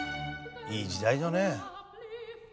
いい時代だね。